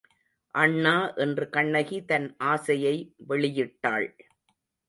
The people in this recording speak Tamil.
அண்ணா என்று கண்ணகி தன் ஆசையை வெளியிட்டாள்.